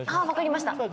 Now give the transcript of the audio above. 分かりました。